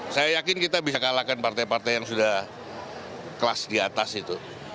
saya yakin kita bisa kalahkan partai partai yang sudah kelas di atas itu